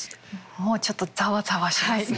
もうちょっとザワザワしますね。